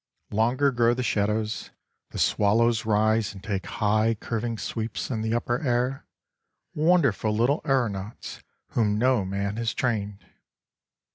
Longer grow the shadows, the swallows rise and take high curving sweeps in the upper air—wonderful little aeronauts whom no man has trained.